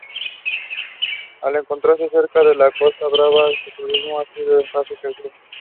Al encontrarse cerca de la Costa Brava su turismo ha ido en fase creciente.